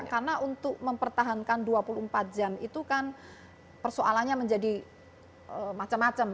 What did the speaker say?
karena untuk mempertahankan dua puluh empat jam itu kan persoalannya menjadi macam macam